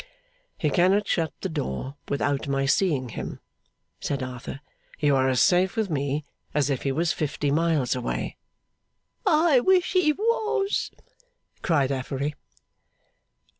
'He cannot shut the door without my seeing him,' said Arthur. 'You are as safe with me as if he was fifty miles away.' ['I wish he was!' cried Affery.)